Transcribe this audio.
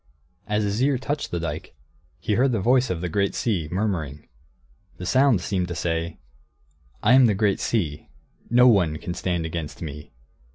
As his ear touched the dike, he heard the voice of the great sea, murmuring. The sound seemed to say, "I am the great sea. No one can stand against me.